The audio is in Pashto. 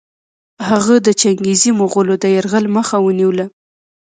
هغه د چنګېزي مغولو د یرغل مخه ونیوله.